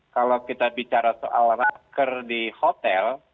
kalau kita bicara soal raker di hotel